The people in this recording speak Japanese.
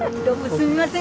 すみません